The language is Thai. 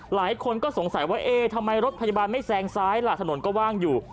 หลายคนก็สงสัยว่าเอ๊ทำไมรถพยาบาลไม่แซงซ้ายล่ะถนนก็ว่างอยู่